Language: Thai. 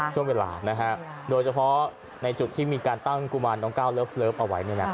ช่วงเวลาโดยเฉพาะในจุดที่มีการตั้งกุมารน้องก้าวเลิฟเอาไว้